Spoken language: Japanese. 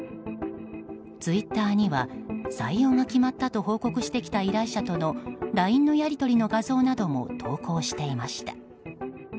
ツイッターには採用が決まったと報告してきた依頼者とのＬＩＮＥのやり取りの画像なども投稿していました。